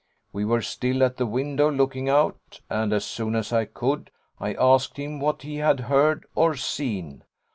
We were still at the window looking out, and as soon as I could, I asked him what he had heard or seen.